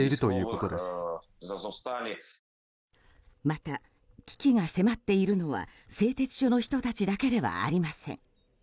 また、危機が迫っているのは製鉄所の人たちだけではありません。